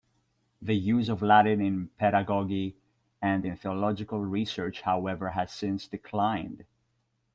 The use of Latin in pedagogy and in theological research, however, has since declined.